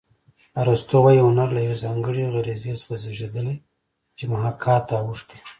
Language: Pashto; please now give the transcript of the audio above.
ارستو وايي هنر له یوې ځانګړې غریزې څخه زېږېدلی چې محاکات ته اوښتې